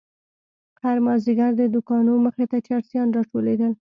هر مازيگر د دوکانو مخې ته چرسيان راټولېدل.